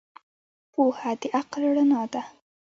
پوهه د عقل رڼا ده.